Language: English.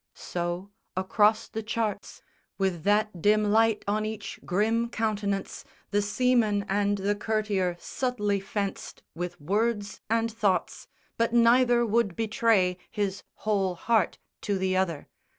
So, across the charts With that dim light on each grim countenance The seaman and the courtier subtly fenced With words and thoughts, but neither would betray His whole heart to the other.